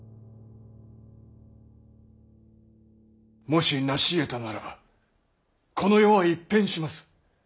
もし成しえたならばこの世は一変します。